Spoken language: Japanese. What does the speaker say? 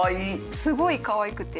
すごいかわいくて。